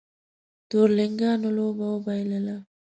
تورلېنګانو لوبه وبایلله